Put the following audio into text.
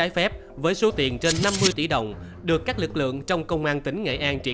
phía dưới oanh có một mươi một đại lý cấp một chuyên cơm bản lô đề